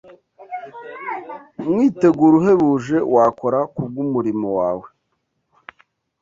Umwiteguro uhebuje wakora kubw’umurimo wawe